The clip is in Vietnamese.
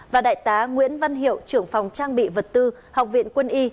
và đại tá nguyễn văn hiệu trưởng phòng trang bị vật tư học viện quân y